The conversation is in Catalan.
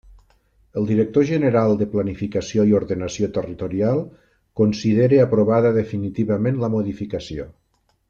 El director general de Planificació i Ordenació Territorial considera aprovada definitivament la modificació.